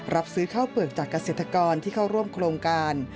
รับซื้อข้าวเปลือกจากเกษตรกรที่เข้าร่วมโครงการ